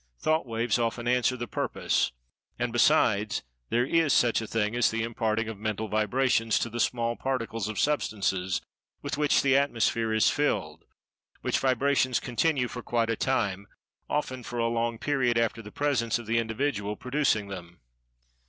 Thought waves often answer the purpose, and, besides, there is such a thing as the imparting of Mental vibrations to the small particles of Substances with which the atmosphere is filled, which vibrations continue for quite a time, often for a long period after the presence of the individual producing them.